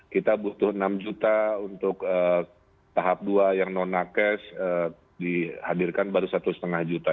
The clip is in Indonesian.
kita butuh enam juta untuk tahap dua yang non nakes dihadirkan baru satu lima juta